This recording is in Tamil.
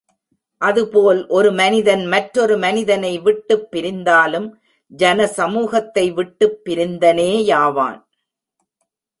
அதுபோல் ஒரு மனிதன் மற்றொரு மனிதனை விட்டுப் பிரிந்தாலும், ஜன சமூகத்தை விட்டுப் பிரிந்தனே யாவான்.